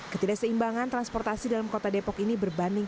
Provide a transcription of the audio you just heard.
ketidakseimbangan transportasi dalam kota depok ini berbanding